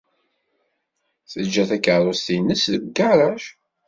Teǧǧa takeṛṛust-nnes deg ugaṛaj.